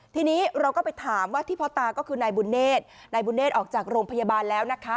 ทีนี้เราก็ไปถามว่าที่พ่อตาก็คือนายบุญเนธนายบุญเศษออกจากโรงพยาบาลแล้วนะคะ